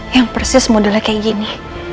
yang persis modelnya kayak gini